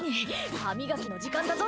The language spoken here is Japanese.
歯磨きの時間だぞ！